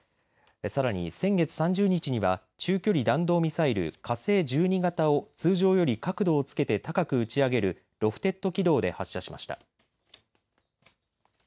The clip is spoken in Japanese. さらに先月３０日には中距離弾道ミサイル、火星１２型を通常より角度をつけて高く打ち上げるロフテッド軌道で発射しました。